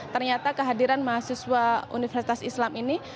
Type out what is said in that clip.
ternyata kehadiran mahasiswa universitas islam ini